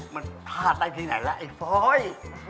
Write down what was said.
มันพลาดได้ทีไหนละไอ้พล๊อค